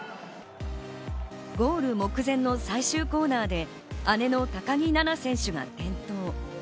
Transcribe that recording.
ゴール目前の最終コーナーで姉の高木菜那選手が転倒。